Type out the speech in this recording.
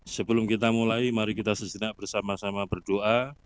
sebelum kita mulai mari kita sejenak bersama sama berdoa